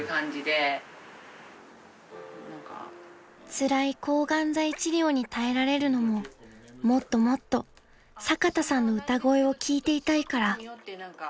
［つらい抗がん剤治療に耐えられるのももっともっと坂田さんの歌声を聴いていたいから］